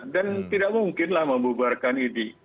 dan tidak mungkinlah membubarkan idi